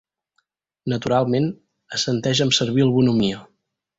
Naturalment, assenteix amb servil bonhomia.